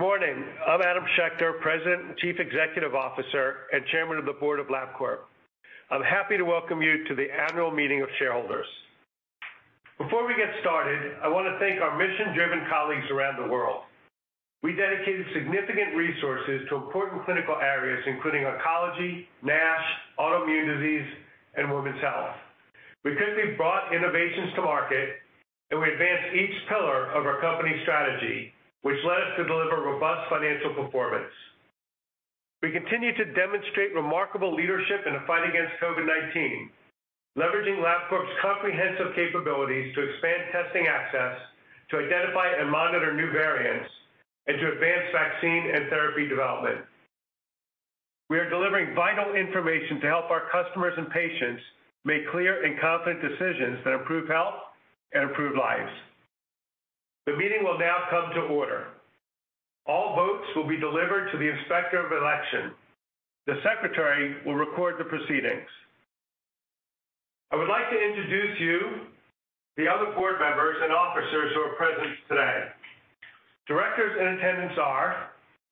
Good morning. I'm Adam Schechter, President and Chief Executive Officer and Chairman of the Board of Labcorp. I'm happy to welcome you to the annual meeting of shareholders. Before we get started, I wanna thank our mission-driven colleagues around the world. We dedicated significant resources to important clinical areas, including oncology, NASH, autoimmune disease, and women's health. We quickly brought innovations to market, and we advanced each pillar of our company strategy, which led us to deliver robust financial performance. We continue to demonstrate remarkable leadership in the fight against COVID-19, leveraging Labcorp comprehensive capabilities to expand testing access, to identify and monitor new variants, and to advance vaccine and therapy development. We are delivering vital information to help our customers and patients make clear and confident decisions that improve health and improve lives. The meeting will now come to order. All votes will be delivered to the Inspector of Election. The Secretary will record the proceedings. I would like to introduce to you the other board members and officers who are present today. Directors in attendance are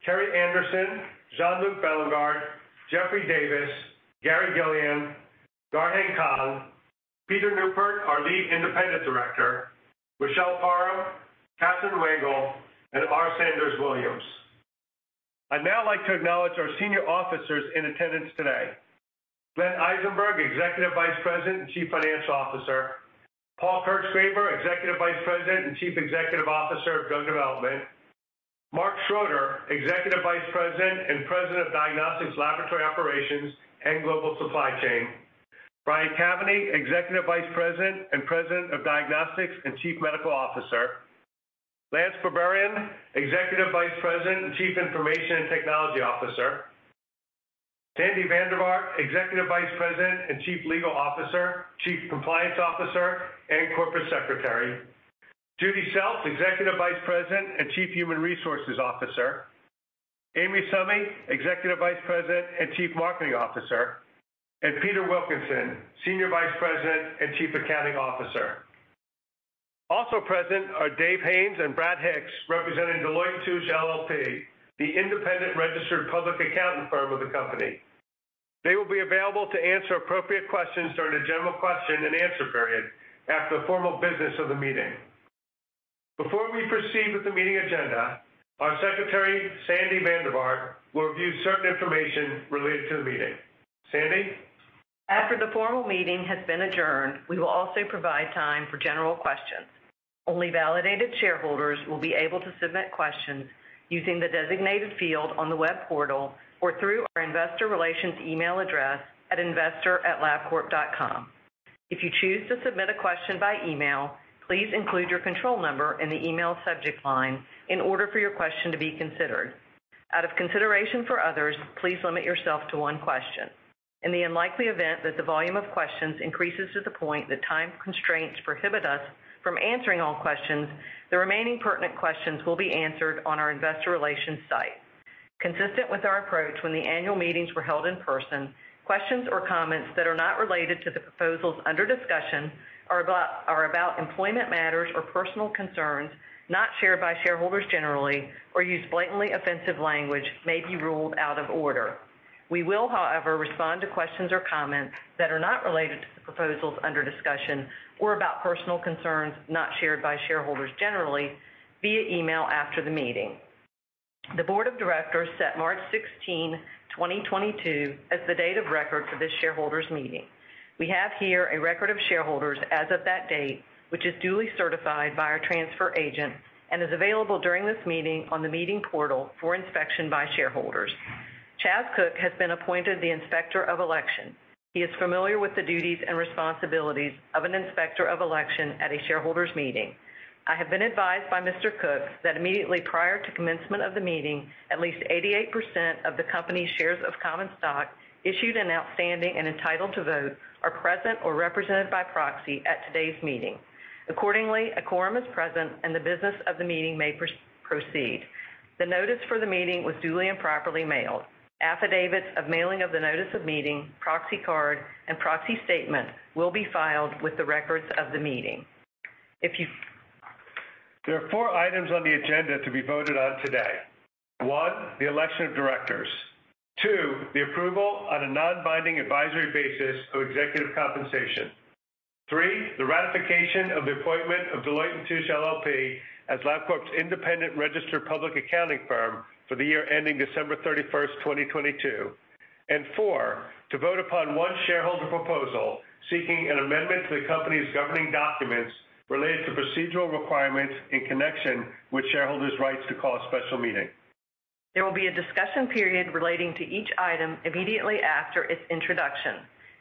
Kerrii B. Anderson, Jean-Luc Bélingard, Jeffrey Davis, D. Gary Gilliland, Garheng Kong, Peter Neupert, our Lead Independent Director, Richelle P. Parham, Kathryn E. Wengel, and R. Sanders Williams. I'd now like to acknowledge our senior officers in attendance today. Glenn Eisenberg, Executive Vice President and Chief Financial Officer. Paul Kirchgraber, Executive Vice President and Chief Executive Officer of Drug Development. Mark Schroeder, Executive Vice President and President of Diagnostics, Laboratory Operations, and Global Supply Chain. Brian Caveney, Executive Vice President and President of Diagnostics and Chief Medical Officer. Lance Berberian, Executive Vice President and Chief Information and Technology Officer. Sandy van der Vaart, Executive Vice President and Chief Legal Officer, Chief Compliance Officer, and Corporate Secretary. Judi Seltz, Executive Vice President and Chief Human Resources Officer. Amy Summy, Executive Vice President and Chief Marketing Officer, and Peter Wilkinson, Senior Vice President and Chief Accounting Officer. Also present are Dave Haines and Brad Hicks representing Deloitte & Touche LLP, the independent registered public accounting firm of the company. They will be available to answer appropriate questions during the general question and answer period after the formal business of the meeting. Before we proceed with the meeting agenda, our secretary, Sandy van der Vaart, will review certain information related to the meeting. Sandy? After the formal meeting has been adjourned, we will also provide time for general questions. Only validated shareholders will be able to submit questions using the designated field on the web portal or through our investor relations email address at investor@labcorp.com. If you choose to submit a question by email, please include your control number in the email subject line in order for your question to be considered. Out of consideration for others, please limit yourself to one question. In the unlikely event that the volume of questions increases to the point that time constraints prohibit us from answering all questions, the remaining pertinent questions will be answered on our investor relations site. Consistent with our approach when the annual meetings were held in person, questions or comments that are not related to the proposals under discussion are about employment matters or personal concerns not shared by shareholders generally or use blatantly offensive language may be ruled out of order. We will, however, respond to questions or comments that are not related to the proposals under discussion or about personal concerns not shared by shareholders generally via email after the meeting. The board of directors set March 16, 2022 as the date of record for this shareholders meeting. We have here a record of shareholders as of that date, which is duly certified by our transfer agent and is available during this meeting on the meeting portal for inspection by shareholders. Chas Cook has been appointed the Inspector of Election. He is familiar with the duties and responsibilities of an Inspector of Election at a shareholders meeting. I have been advised by Mr. Cook that immediately prior to commencement of the meeting, at least 88% of the company's shares of common stock issued and outstanding and entitled to vote are present or represented by proxy at today's meeting. Accordingly, a quorum is present, and the business of the meeting may proceed. The notice for the meeting was duly and properly mailed. Affidavits of mailing of the notice of meeting, proxy card, and proxy statement will be filed with the records of the meeting. There are four items on the agenda to be voted on today. One, the election of directors. Two, the approval on a non-binding advisory basis for executive compensation. Three, the ratification of the appointment of Deloitte & Touche LLP as Labcorp's independent registered public accounting firm for the year ending December 31, 2022. Four, to vote upon one shareholder proposal seeking an amendment to the company's governing documents related to procedural requirements in connection with shareholders' rights to call a special meeting. There will be a discussion period relating to each item immediately after its introduction.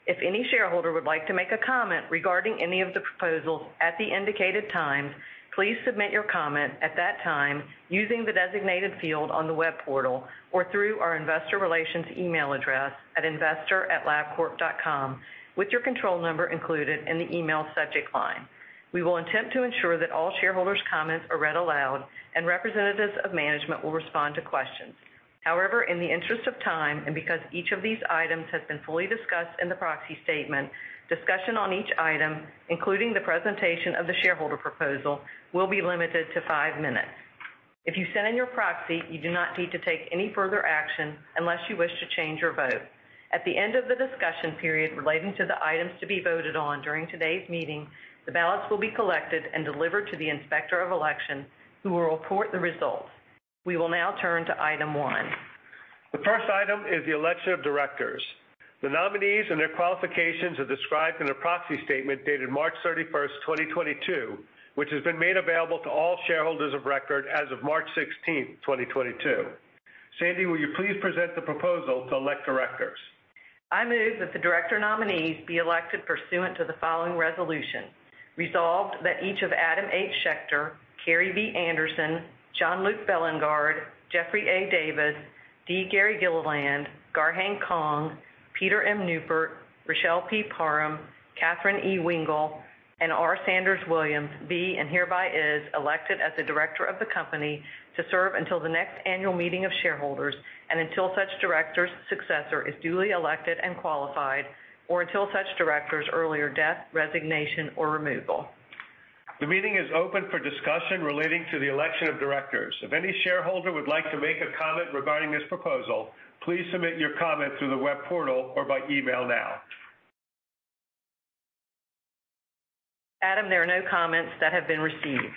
If any shareholder would like to make a comment regarding any of the proposals at the indicated time, please submit your comment at that time using the designated field on the web portal or through our investor relations email address at investor@labcorp.com with your control number included in the email subject line. We will attempt to ensure that all shareholders' comments are read aloud and representatives of management will respond to questions. However, in the interest of time, and because each of these items has been fully discussed in the proxy statement, discussion on each item, including the presentation of the shareholder proposal, will be limited to five minutes. If you sent in your proxy, you do not need to take any further action unless you wish to change your vote. At the end of the discussion period relating to the items to be voted on during today's meeting, the ballots will be collected and delivered to the Inspector of Election who will report the results. We will now turn to item one. The first item is the election of directors. The nominees and their qualifications are described in a proxy statement dated March 31, 2022, which has been made available to all shareholders of record as of March 16, 2022. Sandy, will you please present the proposal to elect directors? I move that the director nominees be elected pursuant to the following resolution. Resolved that each of Adam H. Schechter, Kerrii B. Anderson, Jean-Luc Bélingard, Jeffrey A. Davis, D. Gary Gilliland, Garheng Kong, Peter M. Neupert, Richelle P. Parham, Kathryn E. Wengel, and R. Sanders Williams be and hereby is elected as a director of the company to serve until the next annual meeting of shareholders and until such director's successor is duly elected and qualified or until such director's earlier death, resignation or removal. The meeting is open for discussion relating to the election of directors. If any shareholder would like to make a comment regarding this proposal, please submit your comment through the web portal or by email now. Adam, there are no comments that have been received.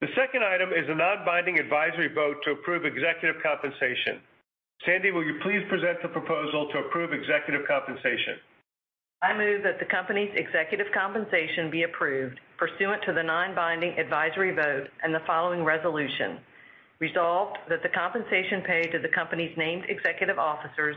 The second item is a non-binding advisory vote to approve executive compensation. Sandy, will you please present the proposal to approve executive compensation? I move that the company's executive compensation be approved pursuant to the non-binding advisory vote and the following resolution. Resolved that the compensation paid to the company's named executive officers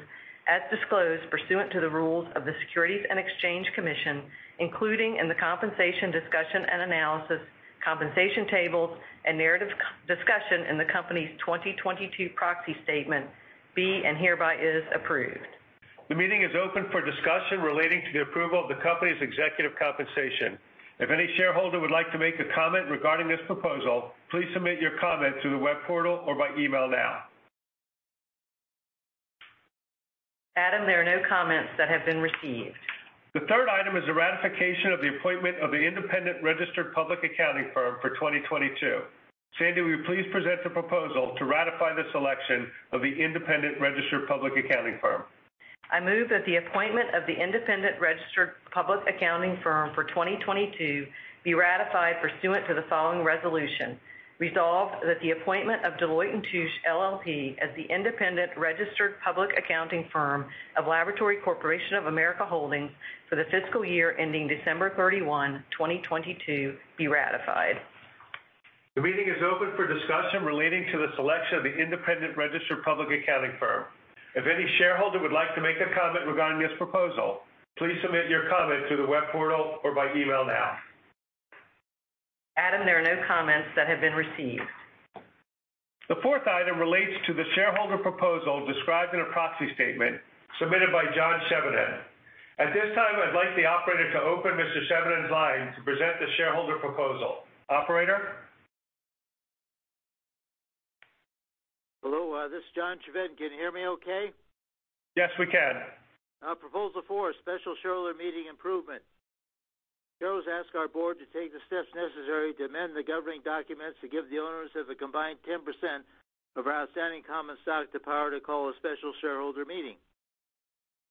as disclosed pursuant to the rules of the Securities and Exchange Commission, including in the compensation discussion and analysis, compensation tables and narrative discussion in the company's 2022 proxy statement be and hereby is approved. The meeting is open for discussion relating to the approval of the company's executive compensation. If any shareholder would like to make a comment regarding this proposal, please submit your comment through the web portal or by email now. Adam, there are no comments that have been received. The third item is a ratification of the appointment of the independent registered public accounting firm for 2022. Sandy, will you please present the proposal to ratify the selection of the independent registered public accounting firm. I move that the appointment of the independent registered public accounting firm for 2022 be ratified pursuant to the following resolution. Resolved that the appointment of Deloitte & Touche LLP as the independent registered public accounting firm of Laboratory Corporation of America Holdings for the fiscal year ending December 31, 2022 be ratified. The meeting is open for discussion relating to the selection of the independent registered public accounting firm. If any shareholder would like to make a comment regarding this proposal, please submit your comment through the web portal or by email now. Adam, there are no comments that have been received. The fourth item relates to the shareholder proposal described in a proxy statement submitted by John Chevedden. At this time, I'd like the operator to open Mr. Chevedden's line to present the shareholder proposal. Operator? Hello, this is John Chevedden. Can you hear me okay? Yes, we can. Proposal four, special shareholder meeting improvement. Shareholders ask our board to take the steps necessary to amend the governing documents to give the owners of a combined 10% of our outstanding common stock the power to call a special shareholder meeting.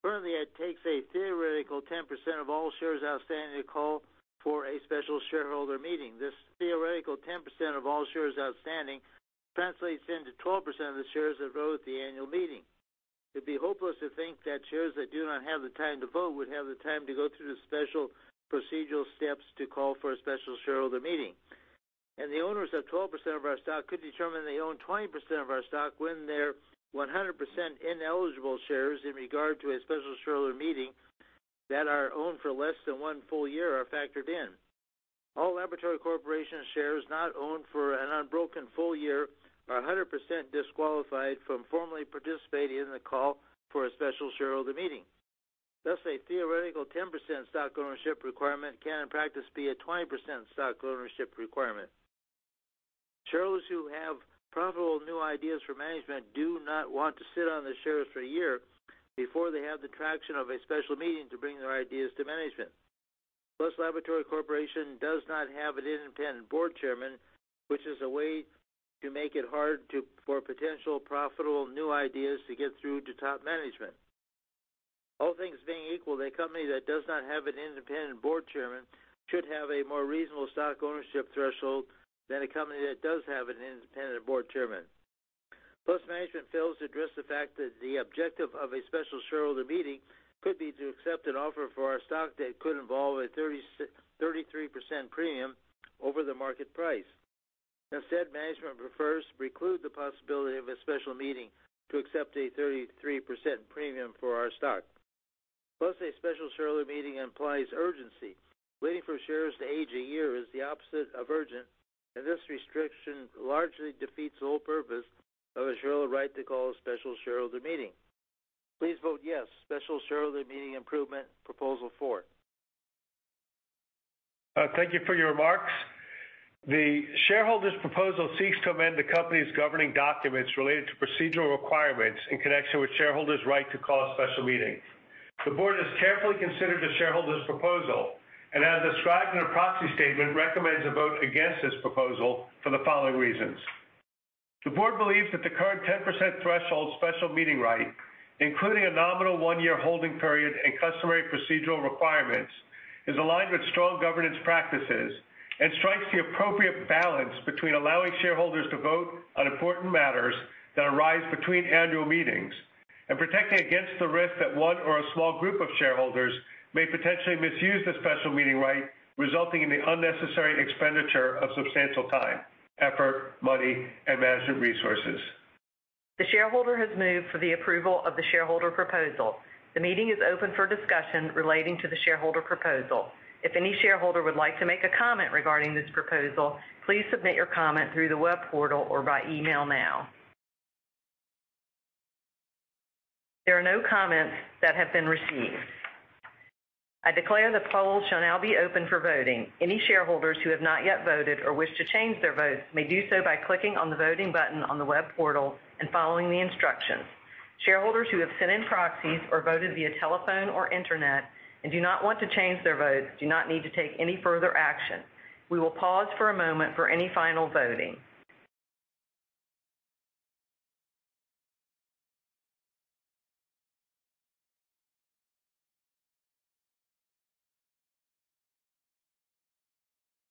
Currently, it takes a theoretical 10% of all shares outstanding to call for a special shareholder meeting. This theoretical 10% of all shares outstanding translates into 12% of the shares that vote at the annual meeting. It'd be hopeless to think that shares that do not have the time to vote would have the time to go through the special procedural steps to call for a special shareholder meeting. The owners of 12% of our stock could determine they own 20% of our stock when their 100% ineligible shares in regard to a special shareholder meeting that are owned for less than one full year are factored in. All Laboratory Corporation shares not owned for an unbroken full year are 100% disqualified from formally participating in the call for a special shareholder meeting. Thus, a theoretical 10% stock ownership requirement can in practice be a 20% stock ownership requirement. Shareholders who have profitable new ideas for management do not want to sit on the shares for a year before they have the traction of a special meeting to bring their ideas to management. Plus, Laboratory Corporation does not have an independent board chairman, which is a way to make it hard for potential profitable new ideas to get through to top management. All things being equal, the company that does not have an independent board chairman should have a more reasonable stock ownership threshold than a company that does have an independent board chairman. Plus, management fails to address the fact that the objective of a special shareholder meeting could be to accept an offer for our stock that could involve a 33% premium over the market price. Instead, management prefers to preclude the possibility of a special meeting to accept a 33% premium for our stock. Plus, a special shareholder meeting implies urgency. Waiting for shares to age a year is the opposite of urgent, and this restriction largely defeats the whole purpose of a shareholder right to call a special shareholder meeting. Please vote yes. Special shareholder meeting improvement, proposal four. Thank you for your remarks. The shareholders' proposal seeks to amend the company's governing documents related to procedural requirements in connection with shareholders' right to call a special meeting. The board has carefully considered the shareholders' proposal and, as described in a proxy statement, recommends a vote against this proposal for the following reasons. The board believes that the current 10% threshold special meeting right, including a nominal one-year holding period and customary procedural requirements, is aligned with strong governance practices and strikes the appropriate balance between allowing shareholders to vote on important matters that arise between annual meetings and protecting against the risk that one or a small group of shareholders may potentially misuse the special meeting right, resulting in the unnecessary expenditure of substantial time, effort, money, and management resources. The shareholder has moved for the approval of the shareholder proposal. The meeting is open for discussion relating to the shareholder proposal. If any shareholder would like to make a comment regarding this proposal, please submit your comment through the web portal or by email now. There are no comments that have been received. I declare the poll shall now be open for voting. Any shareholders who have not yet voted or wish to change their votes may do so by clicking on the voting button on the web portal and following the instructions. Shareholders who have sent in proxies or voted via telephone or internet and do not want to change their votes do not need to take any further action. We will pause for a moment for any final voting.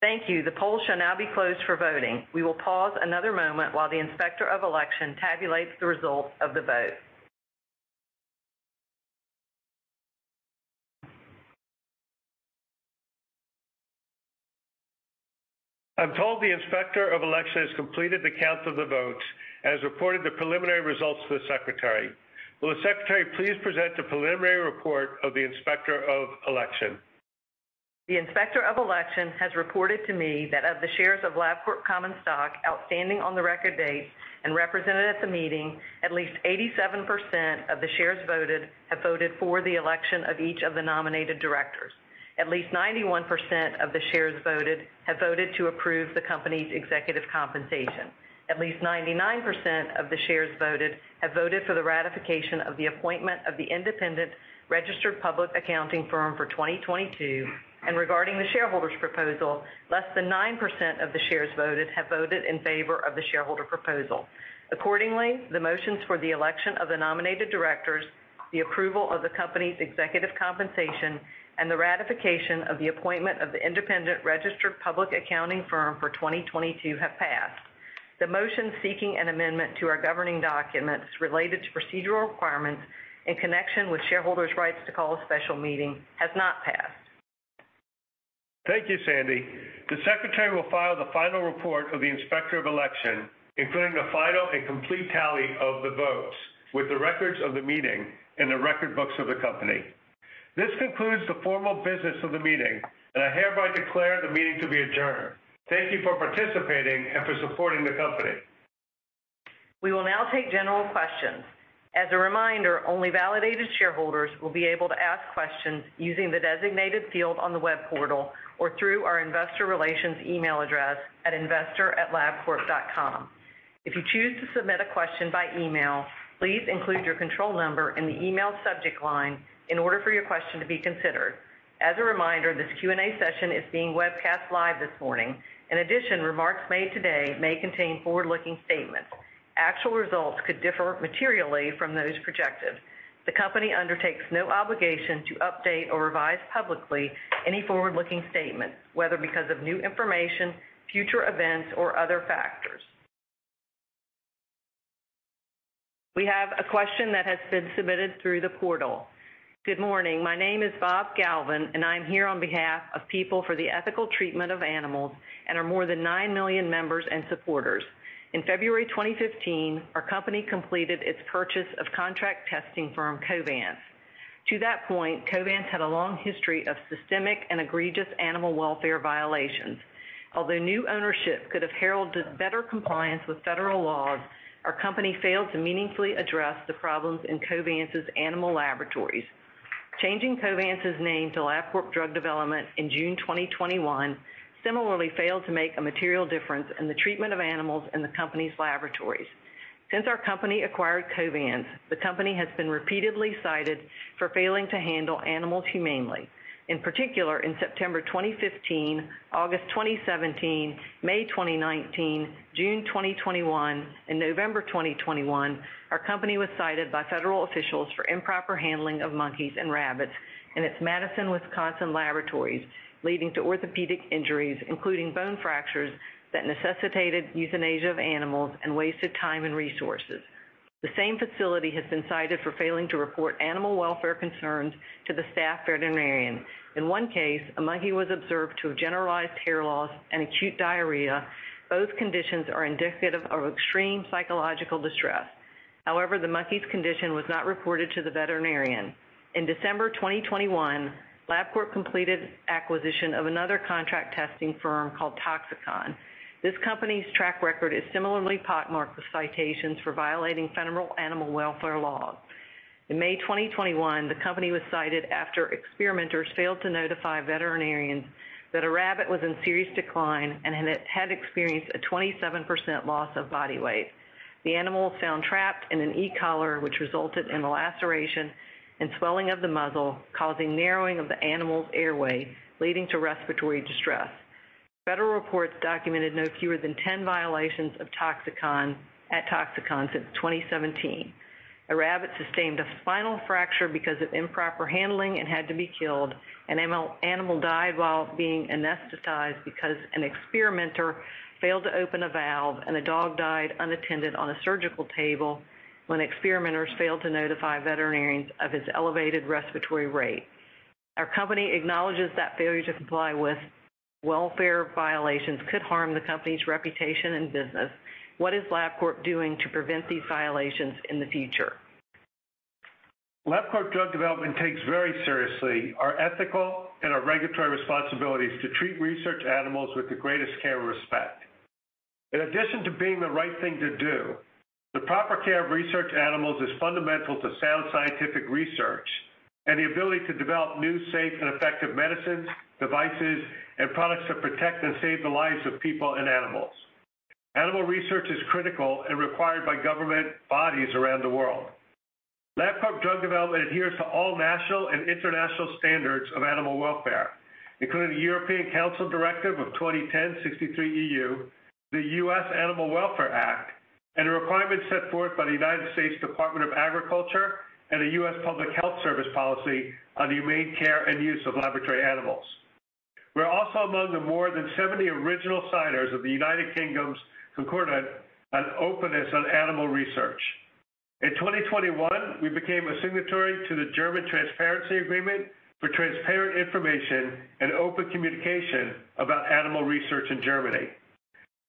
Thank you. The poll shall now be closed for voting. We will pause another moment while the Inspector of Election tabulates the results of the vote. I'm told the Inspector of Election has completed the count of the votes and has reported the preliminary results to the Secretary. Will the Secretary please present the preliminary report of the Inspector of Election? The Inspector of Election has reported to me that of the shares of Labcorp common stock outstanding on the record date and represented at the meeting, at least 87% of the shares voted have voted for the election of each of the nominated directors. At least 91% of the shares voted have voted to approve the company's executive compensation. At least 99% of the shares voted have voted for the ratification of the appointment of the independent registered public accounting firm for 2022. Regarding the shareholders' proposal, less than 9% of the shares voted have voted in favor of the shareholder proposal. Accordingly, the motions for the election of the nominated directors, the approval of the company's executive compensation, and the ratification of the appointment of the independent registered public accounting firm for 2022 have passed. The motion seeking an amendment to our governing documents related to procedural requirements in connection with shareholders' rights to call a special meeting has not passed. Thank you, Sandy. The Secretary will file the final report of the Inspector of Election, including the final and complete tally of the votes with the records of the meeting in the record books of the company. This concludes the formal business of the meeting, and I hereby declare the meeting to be adjourned. Thank you for participating and for supporting the company. We will now take general questions. As a reminder, only validated shareholders will be able to ask questions using the designated field on the web portal or through our investor relations email address at investor@labcorp.com. If you choose to submit a question by email, please include your control number in the email subject line in order for your question to be considered. As a reminder, this Q&A session is being webcast live this morning. In addition, remarks made today may contain forward-looking statements. Actual results could differ materially from those projected. The company undertakes no obligation to update or revise publicly any forward-looking statements, whether because of new information, future events, or other factors. We have a question that has been submitted through the portal. Good morning. My name is Bob Galvin, and I'm here on behalf of People for the Ethical Treatment of Animals and our more than 9 million members and supporters. In February 2015, our company completed its purchase of contract testing firm Covance. To that point, Covance had a long history of systemic and egregious animal welfare violations. Although new ownership could have heralded better compliance with federal laws, our company failed to meaningfully address the problems in Covance's animal laboratories. Changing Covance's name to Labcorp Drug Development in June 2021 similarly failed to make a material difference in the treatment of animals in the company's laboratories. Since our company acquired Covance, the company has been repeatedly cited for failing to handle animals humanely. In particular, in September 2015, August 2017, May 2019, June 2021, and November 2021, our company was cited by federal officials for improper handling of monkeys and rabbits in its Madison, Wisconsin laboratories, leading to orthopedic injuries, including bone fractures that necessitated euthanasia of animals and wasted time and resources. The same facility has been cited for failing to report animal welfare concerns to the staff veterinarian. In one case, a monkey was observed to have generalized hair loss and acute diarrhea. Both conditions are indicative of extreme psychological distress. However, the monkey's condition was not reported to the veterinarian. In December 2021, Labcorp completed acquisition of another contract testing firm called Toxikon. This company's track record is similarly pockmarked with citations for violating federal animal welfare laws. In May 2021, the company was cited after experimenters failed to notify a veterinarian that a rabbit was in serious decline and had experienced a 27% loss of body weight. The animal was found trapped in an e-collar, which resulted in the laceration and swelling of the muzzle, causing narrowing of the animal's airway, leading to respiratory distress. Federal reports documented no fewer than 10 violations at Toxikon since 2017. A rabbit sustained a spinal fracture because of improper handling and had to be killed. An animal died while being anesthetized because an experimenter failed to open a valve, and a dog died unattended on a surgical table when experimenters failed to notify veterinarians of his elevated respiratory rate. Our company acknowledges that failure to comply with welfare violations could harm the company's reputation and business. What is Labcorp doing to prevent these violations in the future? Labcorp Drug Development takes very seriously our ethical and our regulatory responsibilities to treat research animals with the greatest care and respect. In addition to being the right thing to do, the proper care of research animals is fundamental to sound scientific research and the ability to develop new, safe, and effective medicines, devices, and products that protect and save the lives of people and animals. Animal research is critical and required by government bodies around the world. Labcorp Drug Development adheres to all national and international standards of animal welfare, including the European Council Directive of 2010/63/EU, the U.S. Animal Welfare Act, and the requirements set forth by the United States Department of Agriculture and the U.S. Public Health Service policy on the humane care and use of laboratory animals. We're also among the more than 70 original signers of the United Kingdom's Concordat on Openness on Animal Research. In 2021, we became a signatory to the German Transparency Agreement for transparent information and open communication about animal research in Germany.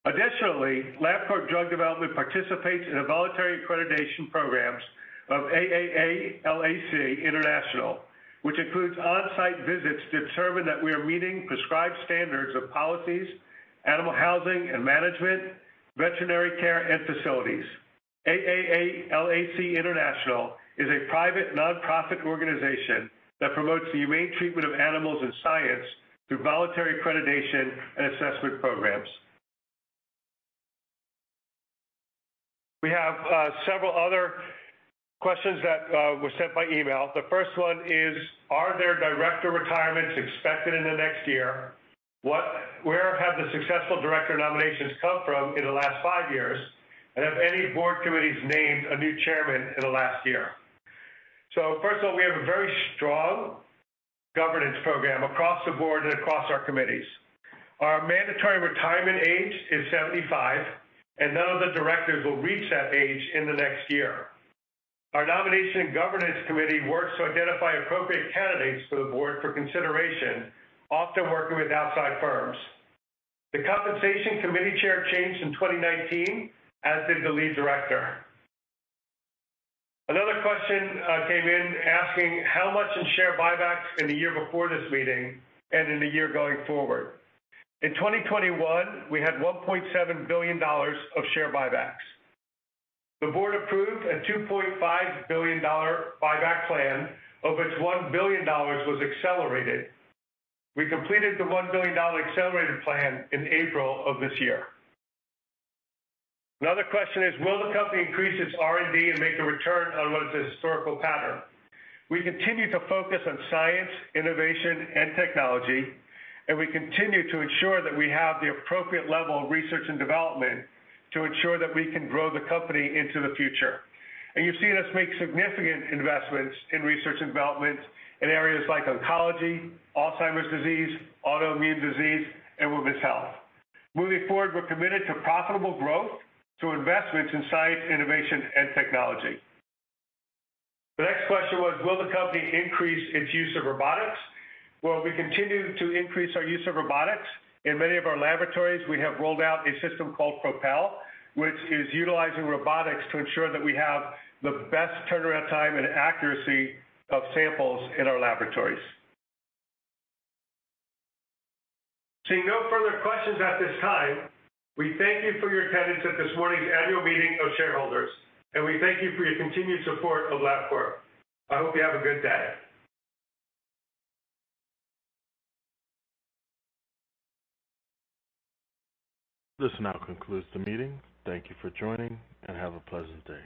Additionally, Labcorp Drug Development participates in a voluntary accreditation program of AAALAC International, which includes on-site visits to determine that we are meeting prescribed standards of policies, animal housing and management, veterinary care and facilities. AAALAC International is a private nonprofit organization that promotes the humane treatment of animals in science through voluntary accreditation and assessment programs. We have several other questions that were sent by email. The first one is, "Are there director retirements expected in the next year? Where have the successful director nominations come from in the last 5 years? Have any board committees named a new chairman in the last year?" First of all, we have a very strong governance program across the board and across our committees. Our mandatory retirement age is 75, and none of the directors will reach that age in the next year. Our nomination governance committee works to identify appropriate candidates for the board for consideration, often working with outside firms. The compensation committee chair changed in 2019, as did the lead director. Another question came in asking, "How much in share buybacks in the year before this meeting and in the year going forward?" In 2021, we had $1.7 billion of share buybacks. The board approved a $2.5 billion buyback plan, of which $1 billion was accelerated. We completed the $1 billion accelerated plan in April of this year. Another question is, "Will the company increase its R&D and make a return on what is a historical pattern?" We continue to focus on science, innovation and technology, and we continue to ensure that we have the appropriate level of research and development to ensure that we can grow the company into the future. You've seen us make significant investments in research and development in areas like oncology, Alzheimer's disease, autoimmune disease, and women's health. Moving forward, we're committed to profitable growth through investments in science, innovation and technology. The next question was, "Will the company increase its use of robotics?" Well, we continue to increase our use of robotics. In many of our laboratories, we have rolled out a system called Propel, which is utilizing robotics to ensure that we have the best turnaround time and accuracy of samples in our laboratories. Seeing no further questions at this time, we thank you for your attendance at this morning's annual meeting of shareholders, and we thank you for your continued support of Labcorp. I hope you have a good day. This now concludes the meeting. Thank you for joining, and have a pleasant day.